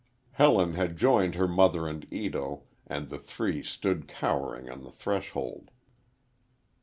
Helen had joined her mother and Ito, and the three stood cowering on the threshold.